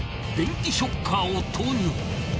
電気ショッカーを投入。